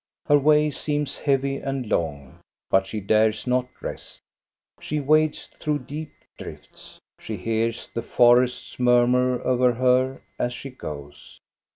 Her way seems heavy and long, but she dares not rest She wades through deep drifts. She hears the forests murmur over her as she goes.